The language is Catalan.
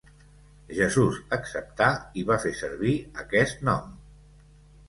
Jesús acceptà i va fer servir aquest nom.